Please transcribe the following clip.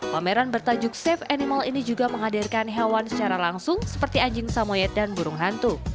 pameran bertajuk save animal ini juga menghadirkan hewan secara langsung seperti anjing samoyed dan burung hantu